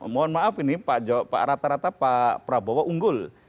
mohon maaf ini pak rata rata pak prabowo unggul